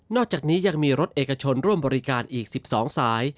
อกจากนี้ยังมีรถเอกชนร่วมบริการอีก๑๒สาย